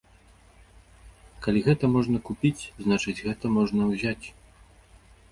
Калі гэта можна купіць, значыць, гэта можна ўзяць.